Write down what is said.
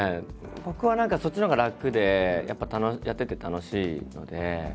僕は何かそっちのほうが楽でやっぱやってて楽しいので。